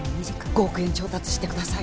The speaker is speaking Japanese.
５億円調達してください。